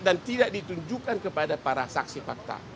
dan tidak ditunjukkan kepada para saksi fakta